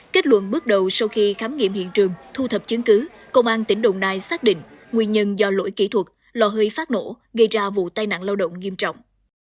kết luận bước đầu sau khi khám nghiệm hiện trường thu thập chứng cứ công an tỉnh đồng nai xác định nguyên nhân do lỗi kỹ thuật lò hơi phát nổ gây ra vụ tai nạn lao động nghiêm trọng